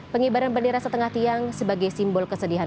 pengibaran bendera setengah tiang sebagai simbol kesedihan